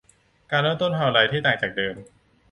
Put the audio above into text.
การเริ่มต้นทำอะไรที่ต่างจากเดิม